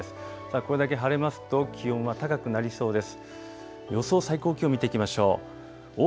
これだけ晴れますと気温は高くなりそうです。